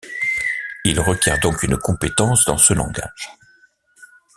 Ils requièrent donc une compétence dans ce langage.